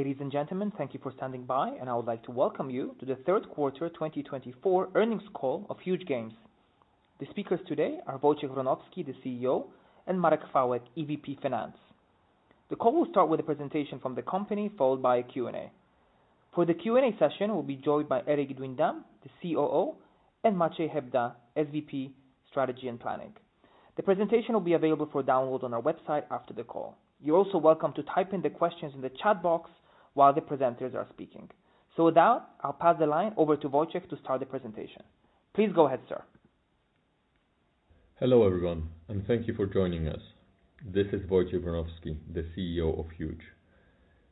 Ladies and gentlemen, thank you for standing by, and I would like to Welcome you to the Q3 2024 Earnings Call of Huuuge. The speakers today are Wojciech Wronowski, the CEO, and Marek Chwałek, EVP Finance. The call will start with a presentation from the company, followed by a Q&A. For the Q&A session, we'll be joined by Erik Duindam, the COO, and Maciej Hebda, SVP, Strategy and Planning. The presentation will be available for download on our website after the call. You're also welcome to type in the questions in the chat box while the presenters are speaking. So with that, I'll pass the line over to Wojciech to start the presentation. Please go ahead, sir. Hello everyone, and thank you for joining us. This is Wojciech Wronowski, the CEO of Huuuge.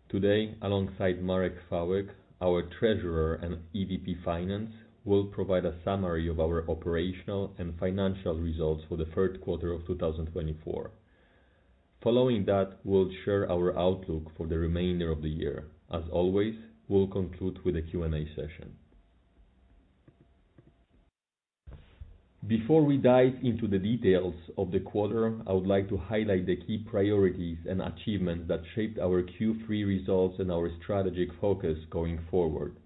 Today, alongside Marek Chwałek, our Treasurer and EVP Finance, we'll provide a summary of our operational and financial results for the Q3 of 2024. Following that, we'll share our outlook for the remainder of the year. As always, we'll conclude with a Q&A session. Before we dive into the details of the quarter, I would like to highlight the key priorities and achievements that shaped our Q3 results and our strategic focus going forward.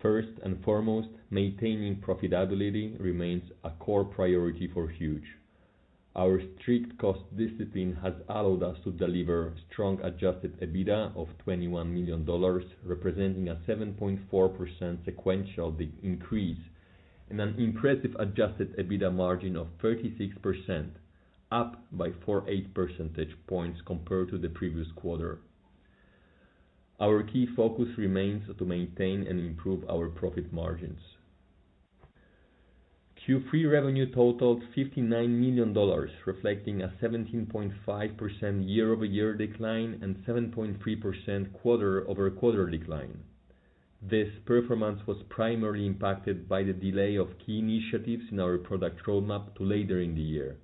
First and foremost, maintaining profitability remains a core priority for Huuuge. Our strict cost discipline has allowed us to deliver strong Adjusted EBITDA of $21 million, representing a 7.4% sequential increase and an impressive Adjusted EBITDA margin of 36%, up by 48 percentage points compared to the previous quarter. Our key focus remains to maintain and improve our profit margins. Q3 revenue totaled $59 million, reflecting a 17.5% year-over-year decline and 7.3% quarter-over-quarter decline. This performance was primarily impacted by the delay of key initiatives in our product roadmap to later in the year.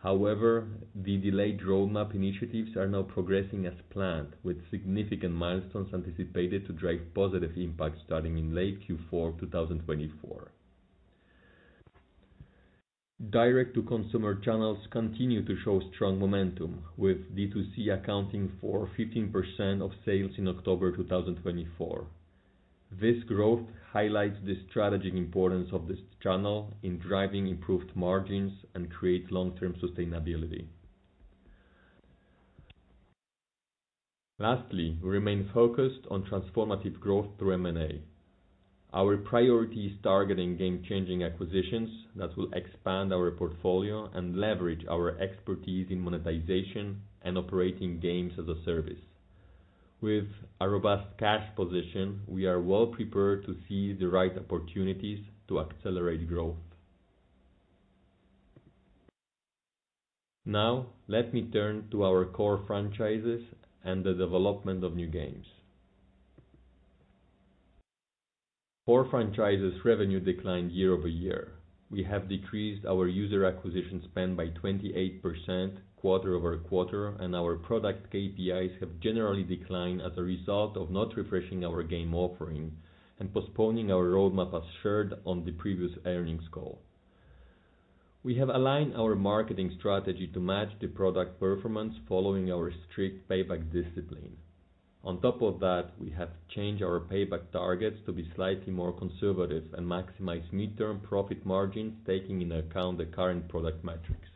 However, the delayed roadmap initiatives are now progressing as planned, with significant milestones anticipated to drive positive impact starting in late Q4 2024. Direct-to-consumer channels continue to show strong momentum, with D2C accounting for 15% of sales in October 2024. This growth highlights the strategic importance of this channel in driving improved margins and creating long-term sustainability. Lastly, we remain focused on transformative growth through M&A. Our priority is targeting game-changing acquisitions that will expand our portfolio and leverage our expertise in monetization and operating games as a service. With a robust cash position, we are well prepared to seize the right opportunities to accelerate growth. Now, let me turn to our core franchises and the development of new games. Core franchises' revenue declined year-over-year. We have decreased our user acquisition spend by 28% quarter-over-quarter, and our product KPIs have generally declined as a result of not refreshing our game offering and postponing our roadmap as shared on the previous earnings call. We have aligned our marketing strategy to match the product performance following our strict payback discipline. On top of that, we have changed our payback targets to be slightly more conservative and maximize midterm profit margins taking into account the current product metrics.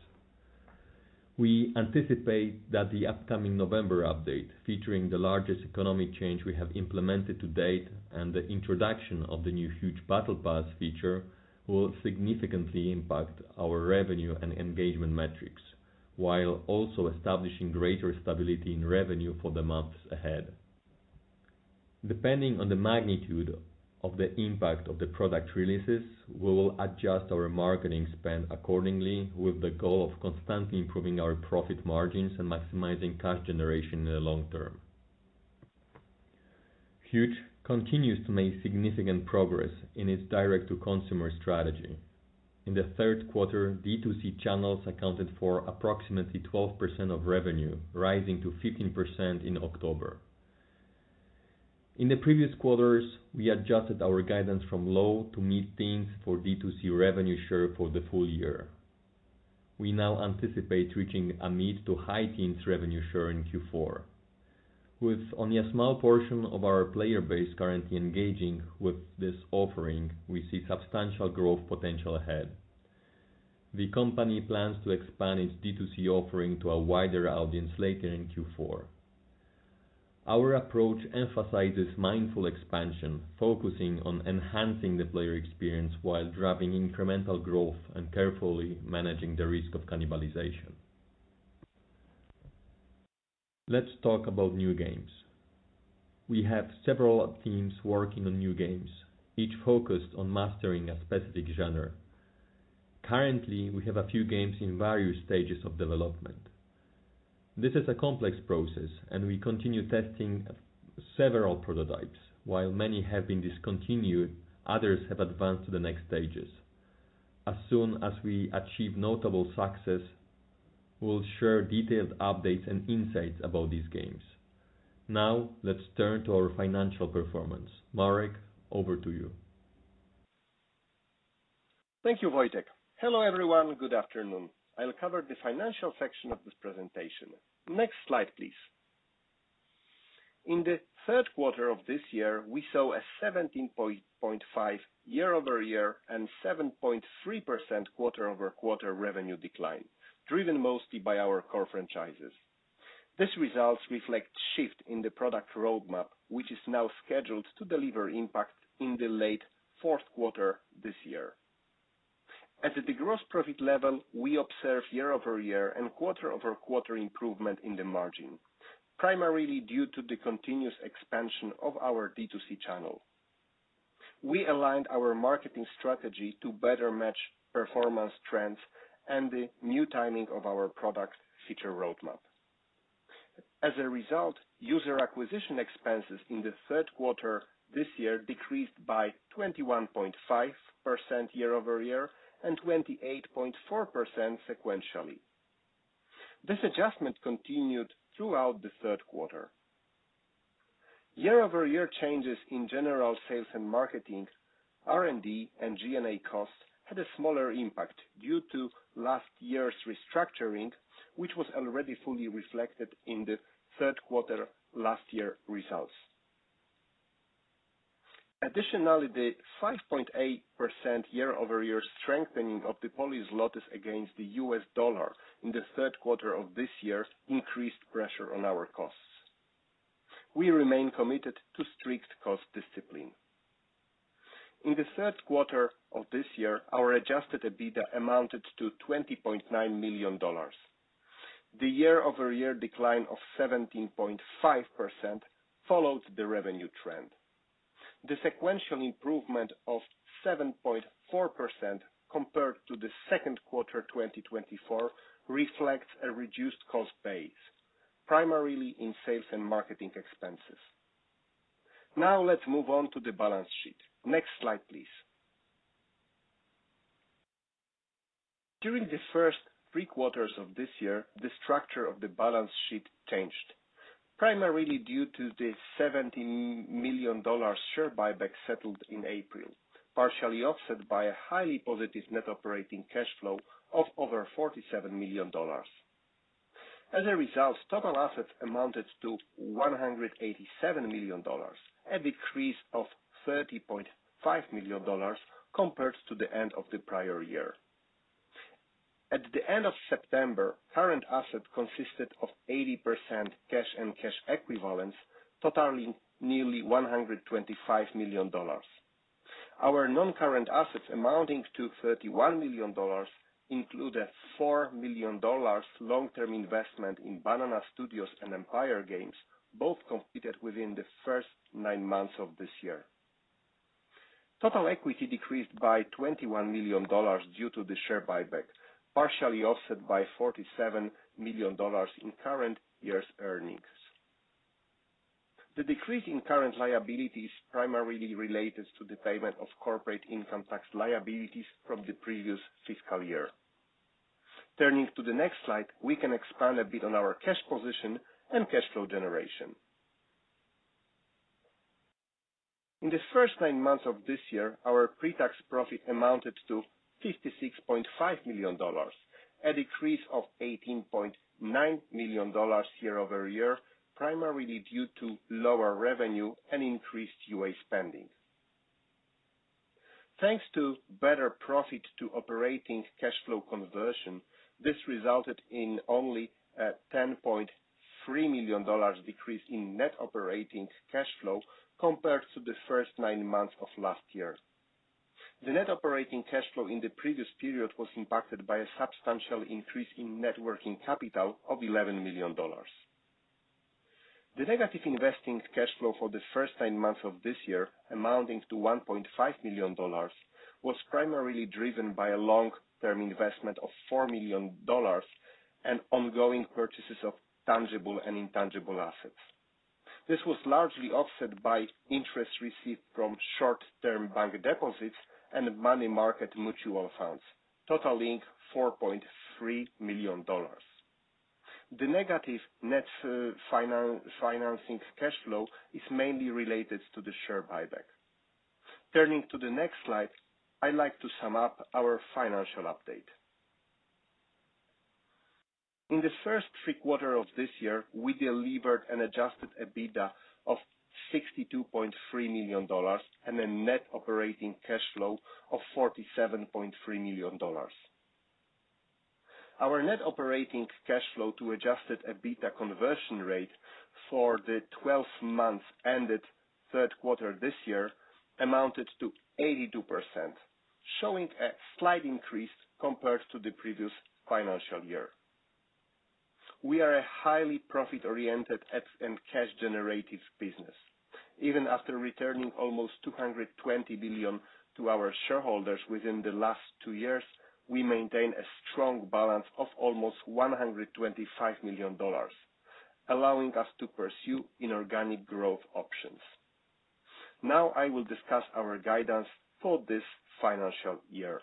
We anticipate that the upcoming November update, featuring the largest economic change we have implemented to date and the introduction of the new Huuuge Battle Pass feature, will significantly impact our revenue and engagement metrics, while also establishing greater stability in revenue for the months ahead. Depending on the magnitude of the impact of the product releases, we will adjust our marketing spend accordingly, with the goal of constantly improving our profit margins and maximizing cash generation in the long term. Huuuge continues to make significant progress in its direct-to-consumer strategy. In the Q3, D2C channels accounted for approximately 12% of revenue, rising to 15% in October. In the previous quarters, we adjusted our guidance from low to mid-teens for D2C revenue share for the full year. We now anticipate reaching a mid-to-high-teens revenue share in Q4. With only a small portion of our player base currently engaging with this offering, we see substantial growth potential ahead. The company plans to expand its D2C offering to a wider audience later in Q4. Our approach emphasizes mindful expansion, focusing on enhancing the player experience while driving incremental growth and carefully managing the risk of cannibalization. Let's talk about new games. We have several teams working on new games, each focused on mastering a specific genre. Currently, we have a few games in various stages of development. This is a complex process, and we continue testing several prototypes. While many have been discontinued, others have advanced to the next stages. As soon as we achieve notable success, we'll share detailed updates and insights about these games. Now, let's turn to our financial performance. Marek, over to you. Thank you, Wojciech. Hello everyone, good afternoon. I'll cover the financial section of this presentation. Next slide, please. In the Q3 of this year, we saw a 17.5% year-over-year and 7.3% quarter-over-quarter revenue decline, driven mostly by our core franchises. These results reflect a shift in the product roadmap, which is now scheduled to deliver impact in the late Q4 this year. At the gross profit level, we observe year-over-year and quarter-over-quarter improvement in the margin, primarily due to the continuous expansion of our D2C channel. We aligned our marketing strategy to better match performance trends and the new timing of our product feature roadmap. As a result, user acquisition expenses in the Q3 this year decreased by 21.5% year-over-year and 28.4% sequentially. This adjustment continued throughout the Q3. Year-over-year changes in general sales and marketing, R&D, and G&A costs had a smaller impact due to last year's restructuring, which was already fully reflected in the Q3 last year's results. Additionally, the 5.8% year-over-year strengthening of the Polish złoty against the U.S. dollar in the Q3 of this year increased pressure on our costs. We remain committed to strict cost discipline. In the Q3 of this year, our Adjusted EBITDA amounted to $20.9 million. The year-over-year decline of 17.5% followed the revenue trend. The sequential improvement of 7.4% compared to the Q2 2024 reflects a reduced cost base, primarily in sales and marketing expenses. Now, let's move on to the balance sheet. Next slide, please. During the first three quarters of this year, the structure of the balance sheet changed, primarily due to the $17 million share buyback settled in April, partially offset by a highly positive net operating cash flow of over $47 million. As a result, total assets amounted to $187 million, a decrease of $30.5 million compared to the end of the prior year. At the end of September, current assets consisted of 80% cash and cash equivalents, totaling nearly $125 million. Our non-current assets amounting to $31 million included $4 million long-term investment in Banana Studios and Empire Games, both completed within the first nine months of this year. Total equity decreased by $21 million due to the share buyback, partially offset by $47 million in current year's earnings. The decrease in current liabilities is primarily related to the payment of corporate income tax liabilities from the previous fiscal year. Turning to the next slide, we can expand a bit on our cash position and cash flow generation. In the first nine months of this year, our pre-tax profit amounted to $56.5 million, a decrease of $18.9 million year-over-year, primarily due to lower revenue and increased UA spending. Thanks to better profit-to-operating cash flow conversion, this resulted in only a $10.3 million decrease in net operating cash flow compared to the first nine months of last year. The net operating cash flow in the previous period was impacted by a substantial increase in net working capital of $11 million. The negative investing cash flow for the first nine months of this year, amounting to $1.5 million, was primarily driven by a long-term investment of $4 million and ongoing purchases of tangible and intangible assets. This was largely offset by interest received from short-term bank deposits and money market mutual funds, totaling $4.3 million. The negative net financing cash flow is mainly related to the share buyback. Turning to the next slide, I'd like to sum up our financial update. In the first three quarters of this year, we delivered an Adjusted EBITDA of $62.3 million and a net operating cash flow of $47.3 million. Our net operating cash flow to Adjusted EBITDA conversion rate for the 12 months ended Q3 this year amounted to 82%, showing a slight increase compared to the previous financial year. We are a highly profit-oriented and cash-generative business. Even after returning almost $220 million to our shareholders within the last two years, we maintain a strong balance of almost $125 million, allowing us to pursue inorganic growth options. Now, I will discuss our guidance for this financial year.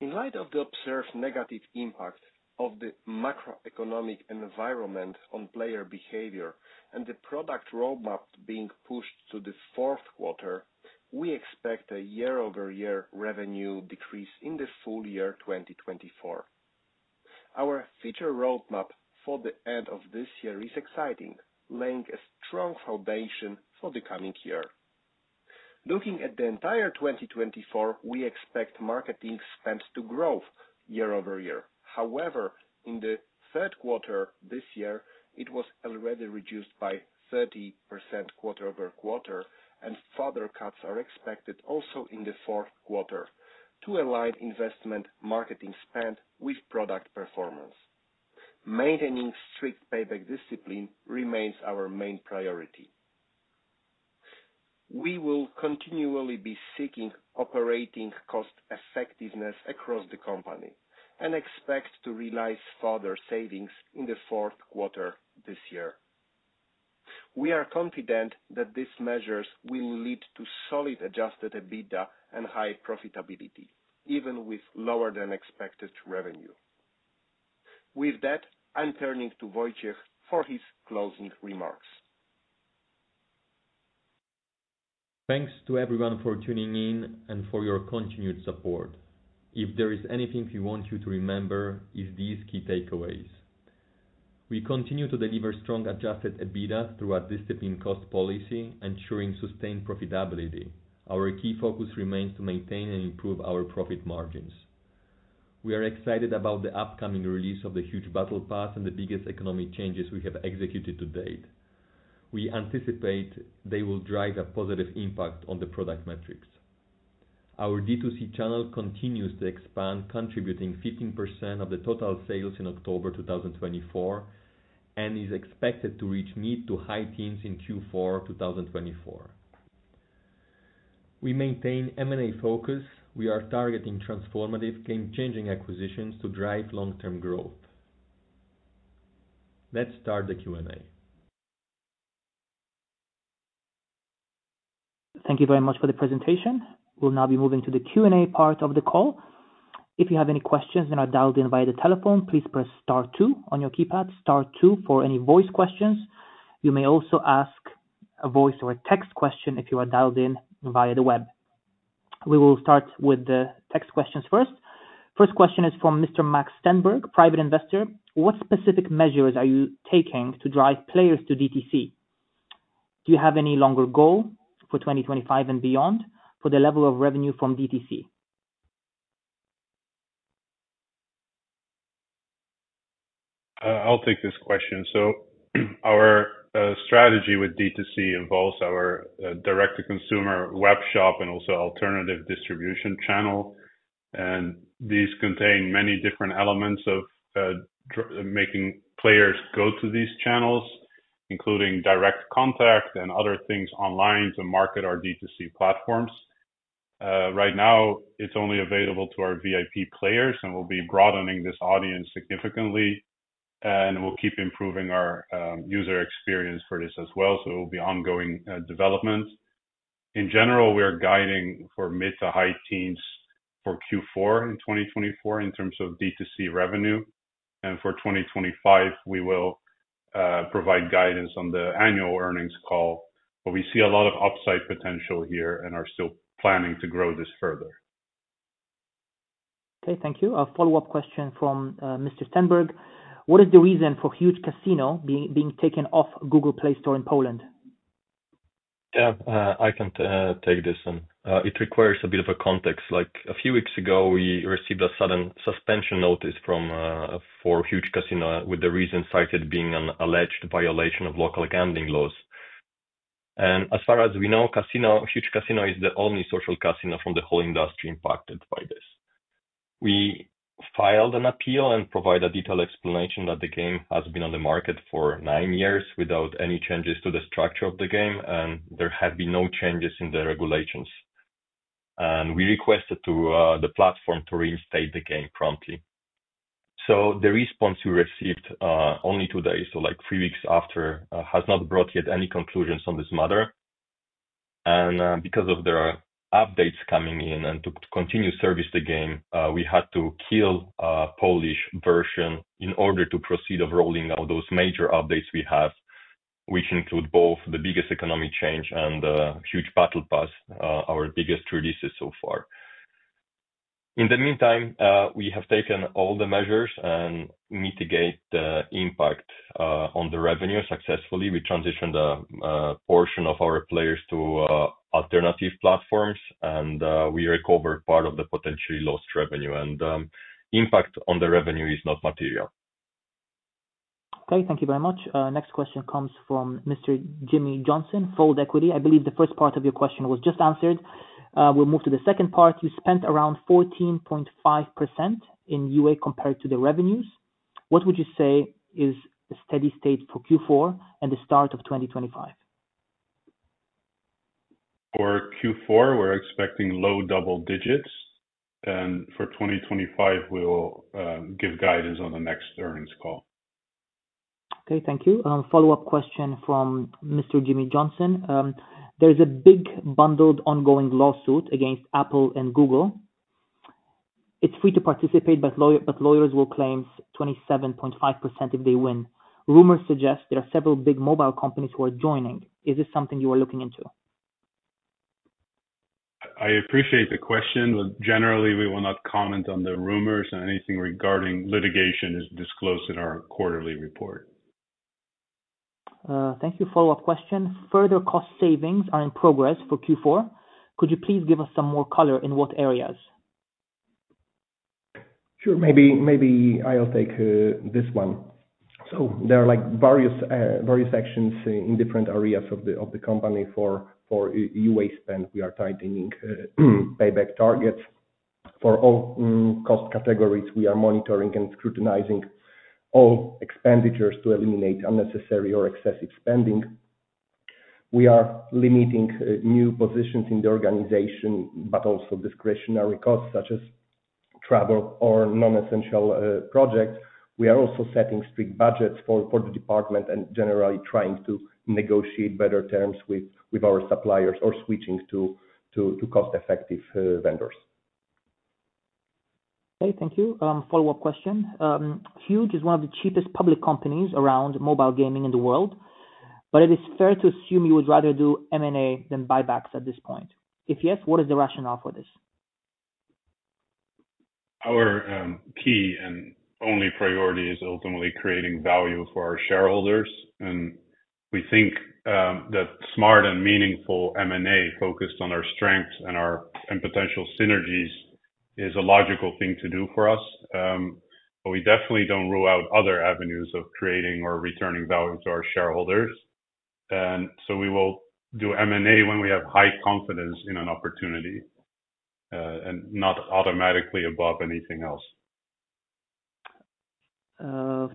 In light of the observed negative impact of the macroeconomic environment on player behavior and the product roadmap being pushed to the Q4, we expect a year-over-year revenue decrease in the full year 2024. Our future roadmap for the end of this year is exciting, laying a strong foundation for the coming year. Looking at the entire 2024, we expect marketing spend to grow year-over-year. However, in the Q3 this year, it was already reduced by 30% quarter-over-quarter, and further cuts are expected also in the Q4 to align investment marketing spend with product performance. Maintaining strict payback discipline remains our main priority. We will continually be seeking operating cost-effectiveness across the company and expect to realize further savings in the Q4 this year. We are confident that these measures will lead to solid Adjusted EBITDA and high profitability, even with lower-than-expected revenue. With that, I'm turning to Wojciech for his closing remarks. Thanks to everyone for tuning in and for your continued support. If there is anything we want you to remember, it's these key takeaways. We continue to deliver strong Adjusted EBITDA through a disciplined cost policy, ensuring sustained profitability. Our key focus remains to maintain and improve our profit margins. We are excited about the upcoming release of the Huuuge Battle Pass and the biggest economic changes we have executed to date. We anticipate they will drive a positive impact on the product metrics. Our D2C channel continues to expand, contributing 15% of the total sales in October 2024 and is expected to reach mid-to-high-teens in Q4 2024. We maintain M&A focus. We are targeting transformative, game-changing acquisitions to drive long-term growth. Let's start the Q&A. Thank you very much for the presentation. We'll now be moving to the Q&A part of the call. If you have any questions and are dialed in via the telephone, please press star two on your keypad. star two for any voice questions. You may also ask a voice or a text question if you are dialed in via the web. We will start with the text questions first. First question is from Mr. Max Stenberg, private investor. What specific measures are you taking to drive players to DTC? Do you have any longer goal for 2025 and beyond for the level of revenue from DTC? I'll take this question. So our strategy with DTC involves our direct-to-consumer web shop and also alternative distribution channel. And these contain many different elements of making players go to these channels, including direct contact and other things online to market our DTC platforms. Right now, it's only available to our VIP players, and we'll be broadening this audience significantly, and we'll keep improving our user experience for this as well. So it will be ongoing development. In general, we are guiding for mid-to-high-teens for Q4 in 2024 in terms of DTC revenue. And for 2025, we will provide guidance on the annual earnings call. But we see a lot of upside potential here and are still planning to grow this further. Okay, thank you. A follow-up question from Mr. Stenberg. What is the reason for Huuuge Casino being taken off Google Play Store in Poland? Yeah, I can take this one. It requires a bit of context. Like a few weeks ago, we received a sudden suspension notice for Huuuge Casino with the reason cited being an alleged violation of local gambling laws. And as far as we know, Huuuge Casino is the only social casino from the whole industry impacted by this. We filed an appeal and provided a detailed explanation that the game has been on the market for nine years without any changes to the structure of the game, and there have been no changes in the regulations. And we requested to the platform to reinstate the game promptly. So the response we received only two days, so like three weeks after, has not brought yet any conclusions on this matter. Because of the updates coming in and to continue serving the game, we had to kill a Polish version in order to proceed with rolling out those major updates we have, which include both the biggest economic change and Huuuge Battle Pass, our biggest release so far. In the meantime, we have taken all the measures and mitigated the impact on the revenue successfully. We transitioned a portion of our players to alternative platforms, and we recovered part of the potentially lost revenue. The impact on the revenue is not material. Okay, thank you very much. Next question comes from Mr. Jimmy Johnson, Fold Equity. I believe the first part of your question was just answered. We'll move to the second part. You spent around 14.5% in UA compared to the revenues. What would you say is the steady state for Q4 and the start of 2025? For Q4, we're expecting low double digits, and for 2025, we'll give guidance on the next earnings call. Okay, thank you. A follow-up question from Mr. Jimmy Johnson. There is a big bundled ongoing lawsuit against Apple and Google. It's free to participate, but lawyers will claim 27.5% if they win. Rumors suggest there are several big mobile companies who are joining. Is this something you are looking into? I appreciate the question. Generally, we will not comment on the rumors and anything regarding litigation is disclosed in our quarterly report. Thank you. A follow-up question. Further cost savings are in progress for Q4. Could you please give us some more color in what areas? Sure. Maybe I'll take this one. So there are various sections in different areas of the company for UA spend. We are tightening payback targets for all cost categories. We are monitoring and scrutinizing all expenditures to eliminate unnecessary or excessive spending. We are limiting new positions in the organization, but also discretionary costs such as travel or non-essential projects. We are also setting strict budgets for the department and generally trying to negotiate better terms with our suppliers or switching to cost-effective vendors. Okay, thank you. A follow-up question. Huuuge is one of the cheapest public companies around mobile gaming in the world, but it is fair to assume you would rather do M&A than buybacks at this point. If yes, what is the rationale for this? Our key and only priority is ultimately creating value for our shareholders. We think that smart and meaningful M&A focused on our strengths and potential synergies is a logical thing to do for us. We definitely don't rule out other avenues of creating or returning value to our shareholders. We will do M&A when we have high confidence in an opportunity and not automatically above anything else.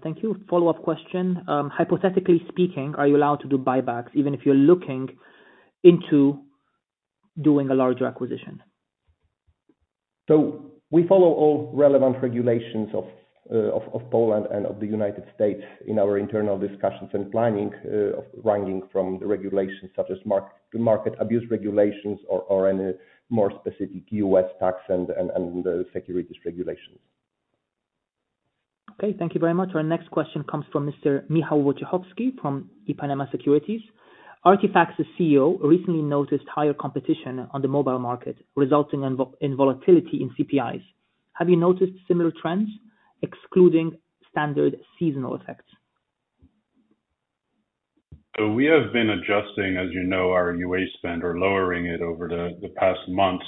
Thank you. A follow-up question. Hypothetically speaking, are you allowed to do buybacks even if you're looking into doing a larger acquisition? We follow all relevant regulations of Poland and of the United States in our internal discussions and planning, ranging from regulations such as market abuse regulations or any more specific U.S. tax and securities regulations. Okay, thank you very much. Our next question comes from Mr. Michał Wojciechowski from IPOPEMA Securities. Artifex Mundi's CEO recently noticed higher competition on the mobile market, resulting in volatility in CPIs. Have you noticed similar trends, excluding standard seasonal effects? We have been adjusting, as you know, our UA spend or lowering it over the past months.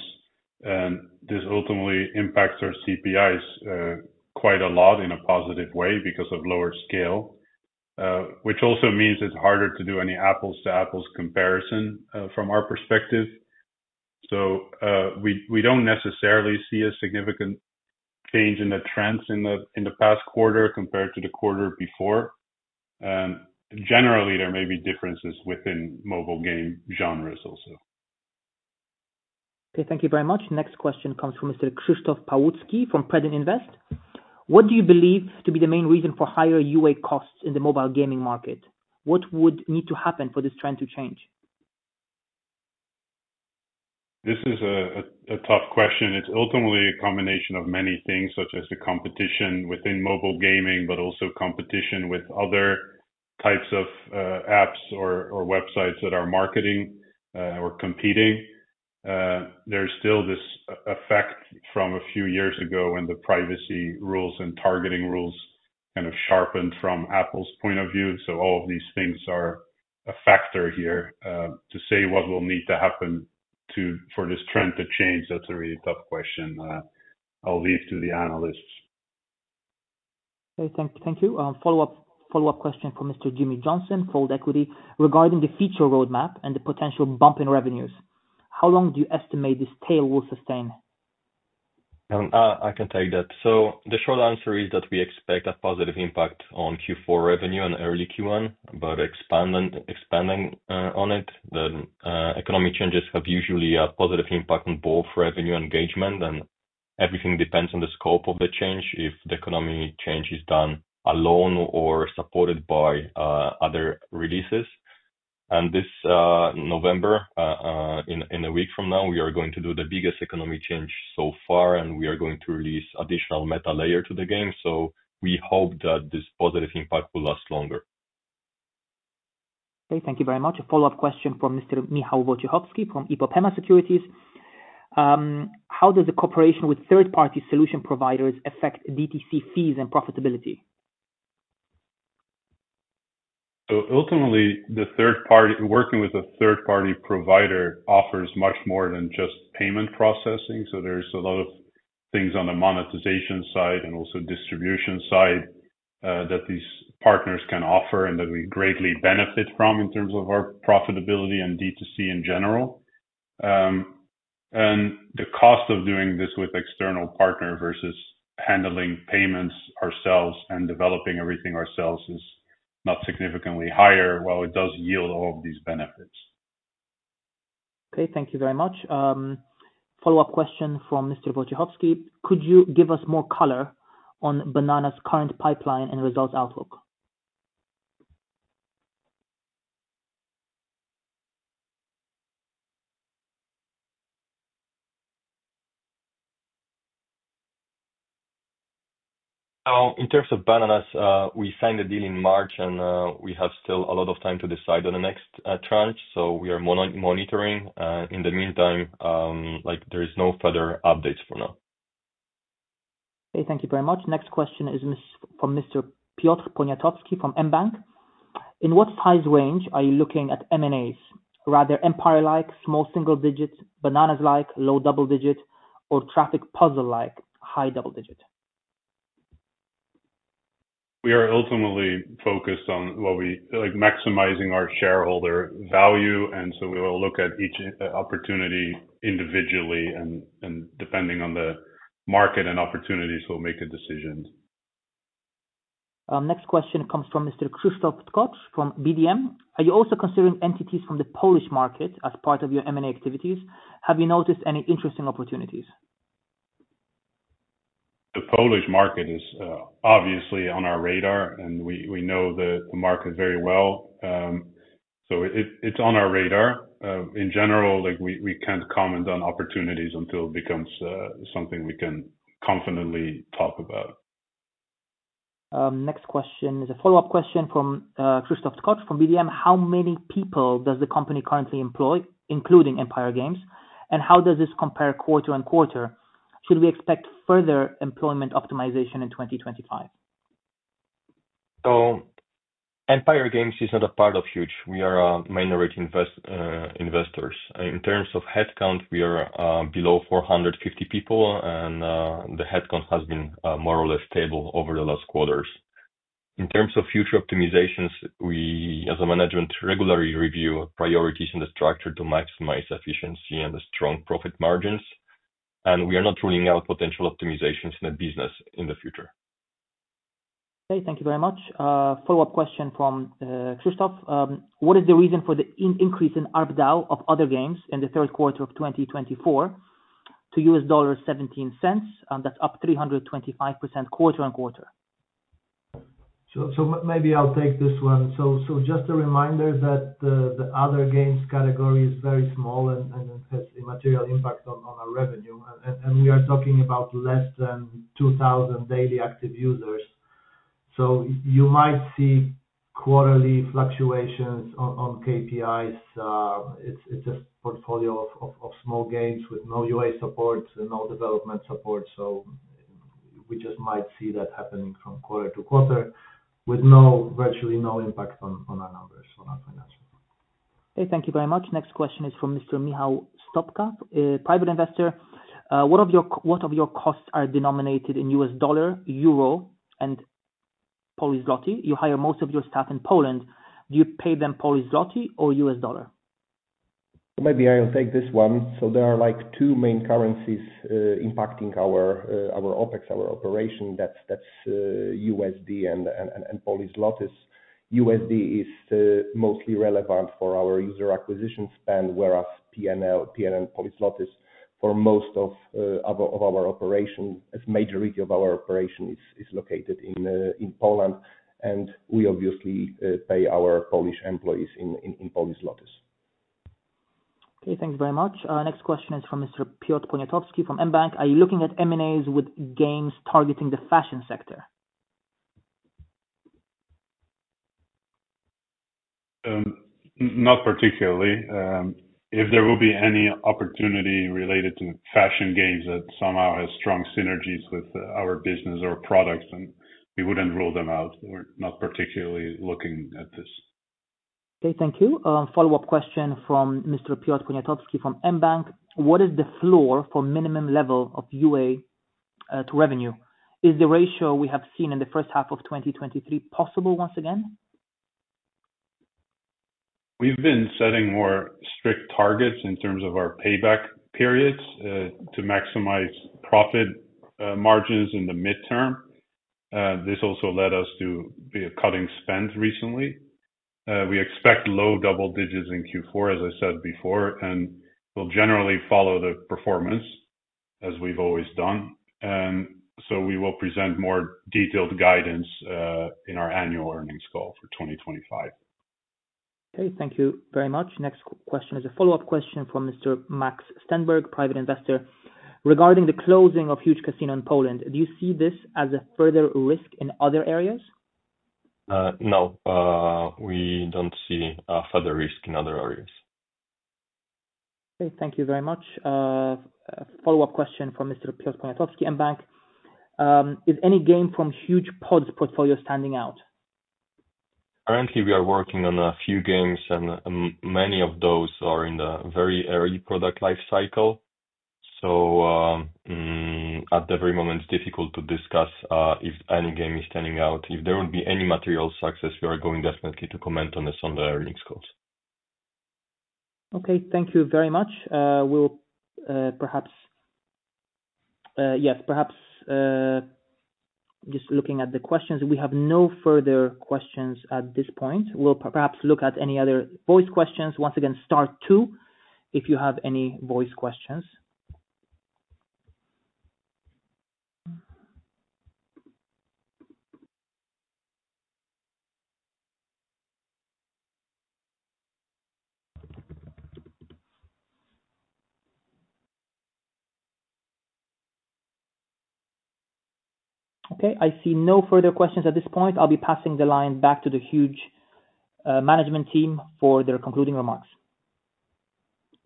And this ultimately impacts our CPIs quite a lot in a positive way because of lower scale, which also means it's harder to do any apples-to-apples comparison from our perspective. So we don't necessarily see a significant change in the trends in the past quarter compared to the quarter before. And generally, there may be differences within mobile game genres also. Okay, thank you very much. Next question comes from Mr. Krzysztof Pałucki from Predin Invest. What do you believe to be the main reason for higher UA costs in the mobile gaming market? What would need to happen for this trend to change? This is a tough question. It's ultimately a combination of many things, such as the competition within mobile gaming, but also competition with other types of apps or websites that are marketing or competing. There's still this effect from a few years ago when the privacy rules and targeting rules kind of sharpened from Apple's point of view. So all of these things are a factor here. To say what will need to happen for this trend to change, that's a really tough question. I'll leave to the analysts. Okay, thank you. A follow-up question from Mr. Jimmy Johnson, Fold Equity, regarding the future roadmap and the potential bump in revenues. How long do you estimate this tail will sustain? I can take that. So the short answer is that we expect a positive impact on Q4 revenue and early Q1, but expanding on it, the economic changes have usually a positive impact on both revenue engagement, and everything depends on the scope of the change if the economy change is done alone or supported by other releases. This November, in a week from now, we are going to do the biggest economic change so far, and we are going to release additional meta layer to the game. So we hope that this positive impact will last longer. Okay, thank you very much. A follow-up question from Mr. Michał Wojciechowski from IPOPEMA Securities. How does the cooperation with third-party solution providers affect DTC fees and profitability? Ultimately, working with a third-party provider offers much more than just payment processing. There's a lot of things on the monetization side and also distribution side that these partners can offer and that we greatly benefit from in terms of our profitability and DTC in general. The cost of doing this with external partners versus handling payments ourselves and developing everything ourselves is not significantly higher, while it does yield all of these benefits. Okay, thank you very much. A follow-up question from Mr. Wojciechowski. Could you give us more color on Banana's current pipeline and results outlook? In terms of Banana Studios, we signed a deal in March, and we have still a lot of time to decide on the next tranche. So we are monitoring. In the meantime, there are no further updates for now. Okay, thank you very much. Next question is from Mr. Piotr Poniatowski from mBank. In what size range are you looking at M&As? Rather Empire-like, small single digit, Banana's-like, low double digit, or Traffic Puzzle-like, high double digit? We are ultimately focused on maximizing our shareholder value, and so we will look at each opportunity individually, and depending on the market and opportunities, we'll make a decision. Next question comes from Mr. Krzysztof Tkocz from BDM. Are you also considering entities from the Polish market as part of your M&A activities? Have you noticed any interesting opportunities? The Polish market is obviously on our radar, and we know the market very well. So it's on our radar. In general, we can't comment on opportunities until it becomes something we can confidently talk about. Next question is a follow-up question from Krzysztof Tkocz from BDM. How many people does the company currently employ, including Empire Games? And how does this compare quarter-on-quarter? Should we expect further employment optimization in 2025? Empire Games is not a part of Huuuge. We are minority investors. In terms of headcount, we are below 450 people, and the headcount has been more or less stable over the last quarters. In terms of future optimizations, we as a management regularly review priorities in the structure to maximize efficiency and strong profit margins. We are not ruling out potential optimizations in the business in the future. Okay, thank you very much. A follow-up question from Krzysztof. What is the reason for the increase in ARBDAU of other games in the Q3 of 2024 to $0.17? That's up 325% quarter-on-quarter. So maybe I'll take this one. Just a reminder that the other games category is very small and has a material impact on our revenue. We are talking about less than 2,000 daily active users. You might see quarterly fluctuations on KPIs. It's a portfolio of small games with no UA support and no development support. We just might see that happening from quarter to quarter with virtually no impact on our numbers on our financial. Okay, thank you very much. Next question is from Mr. Michał Stopka, private investor. What of your costs are denominated in U.S. dollar, euro, and Polish złoty? You hire most of your staff in Poland. Do you pay them Polish złoty or U.S. dollar? Maybe I'll take this one. So there are two main currencies impacting our OpEx, our operation. That's USD and Polish złoty. USD is mostly relevant for our user acquisition spend, whereas PLN, Polish złoty for most of our operation. A majority of our operation is located in Poland, and we obviously pay our Polish employees in Polish złoty. Okay, thank you very much. Next question is from Mr. Piotr Poniatowski from mBank. Are you looking at M&As with games targeting the fashion sector? Not particularly. If there will be any opportunity related to fashion games that somehow has strong synergies with our business or products, then we wouldn't rule them out. We're not particularly looking at this. Okay, thank you. A follow-up question from Mr. Piotr Poniatowski from mBank. What is the floor for minimum level of UA to revenue? Is the ratio we have seen in the first half of 2023 possible once again? We've been setting more strict targets in terms of our payback periods to maximize profit margins in the midterm. This also led us to be cutting spend recently. We expect low double digits in Q4, as I said before, and we'll generally follow the performance as we've always done, and so we will present more detailed guidance in our annual earnings call for 2025. Okay, thank you very much. Next question is a follow-up question from Mr. Max Stenberg, private investor. Regarding the closing of Huuuge Casino in Poland, do you see this as a further risk in other areas? No. We don't see a further risk in other areas. Okay, thank you very much. A follow-up question from Mr. Piotr Poniatowski mBank. Is any game from Huuuge Pods' portfolio standing out? Currently, we are working on a few games, and many of those are in the very early product life cycle. So at the very moment, it's difficult to discuss if any game is standing out. If there would be any material success, we are going definitely to comment on this on the earnings calls. Okay, thank you very much. Yes, perhaps just looking at the questions, we have no further questions at this point. We'll perhaps look at any other voice questions. Once again, start two if you have any voice questions. Okay, I see no further questions at this point. I'll be passing the line back to the Huuuge management team for their concluding remarks.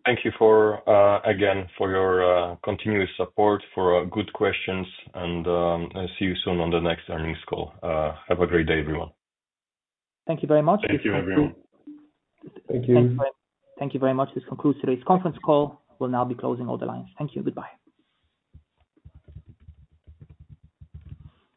Thank you again for your continuous support, for good questions, and see you soon on the next earnings call. Have a great day, everyone. Thank you very much. Thank you, everyone. Thank you. Thank you very much. This concludes today's conference call. We'll now be closing all the lines. Thank you. Goodbye.